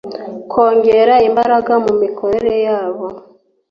kongera imbaraga mu mikorere yabo